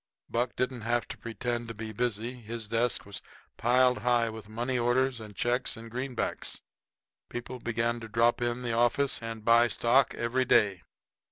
Buck didn't have to pretend to be busy; his desk was piled high up with money orders and checks and greenbacks. People began to drop in the office and buy stock every day.